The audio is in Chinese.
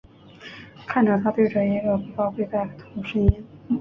看着他对着一个布包跪拜和痛苦呻吟。